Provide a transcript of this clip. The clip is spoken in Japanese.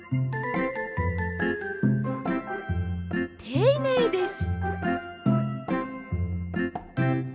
ていねいです。